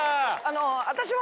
私も。